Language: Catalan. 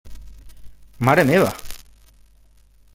Mare meva!